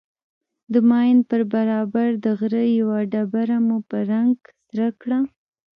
د ماين پر برابر د غره يوه ډبره مو په رنگ سره کړه.